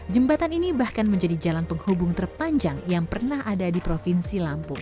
jembatan ini bahkan menjadi jalan penghubung terpanjang yang pernah ada di provinsi lampung